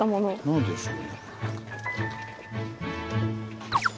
何でしょうね？